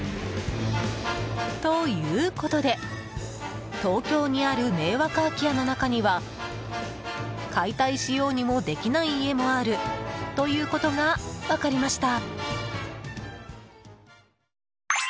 ということで東京にある迷惑空き家の中には解体しようにもできない家もあるということが分かりました。